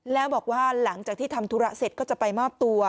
แล้วบอกว่าหลังจากที่ทำธุระเสร็จก็จะไปมอบตัว